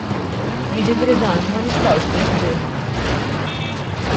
Jiġifieri dan ma nistgħux niċħduh.